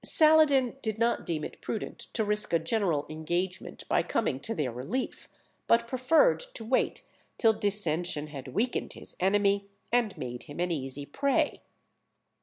Saladin did not deem it prudent to risk a general engagement by coming to their relief, but preferred to wait till dissension had weakened his enemy, and made him an easy prey.